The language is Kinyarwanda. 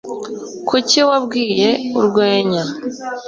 Kuki wabwiye urwenya